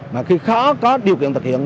mà khi khó có điều kiện thực hiện